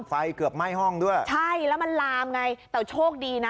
ไฟเกือบไหม้ห้องด้วยใช่แล้วมันลามไงแต่โชคดีนะ